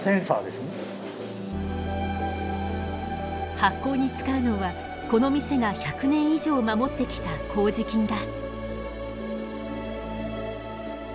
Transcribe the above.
発酵に使うのはこの店が１００年以上守ってきた麹菌だ。